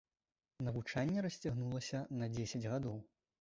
Навучанне расцягнулася на дзесяць гадоў.